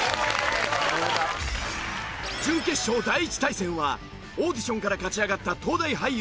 準決勝第１対戦はオーディションから勝ち上がった東大俳優